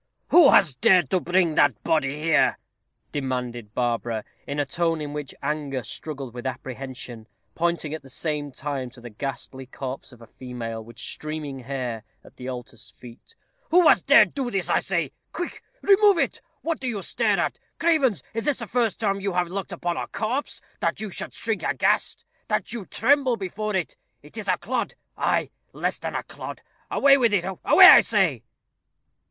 "Who has dared to bring that body here?" demanded Barbara, in a tone in which anger struggled with apprehension, pointing at the same time to the ghastly corpse of a female, with streaming hair, at the altar's feet. "Who has dared to do this, I say? Quick! remove it. What do you stare at? Cravens! is this the first time you have looked upon a corpse, that you should shrink aghast that you tremble before it? It is a clod ay, less than a clod. Away with it! away, I say."